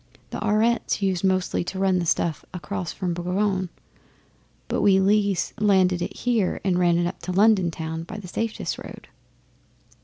The Aurettes used mostly to run the stuff across from Boulogne, and we Lees landed it here and ran it up to London Town, by the safest road.